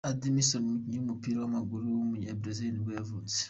Edmílson, umukinnyi w’umupira w’amaguru w’umunya-Brazil nibwo yavutse.